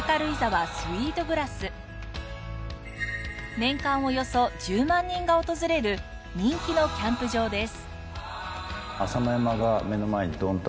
年間およそ１０万人が訪れる人気のキャンプ場です。